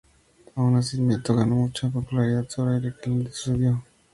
Aun así, el mito ganó mucha popularidad sobre lo que realmente sucedió.